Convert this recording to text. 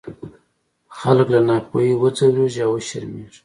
خلک له ناپوهۍ وځورېږي او وشرمېږي.